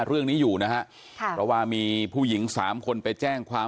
เรื่องนี้อยู่นะฮะค่ะเพราะว่ามีผู้หญิงสามคนไปแจ้งความ